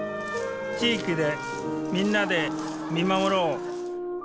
地域でみんなで見守ろう